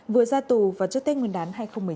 vừa ra tù và trước tên nguyên đán hai nghìn một mươi chín